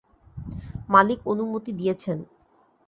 মালিক অনুমতি দিয়েছেন।